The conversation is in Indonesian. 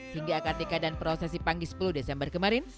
hingga akadika dan prosesi panggi sepuluh desember kemarin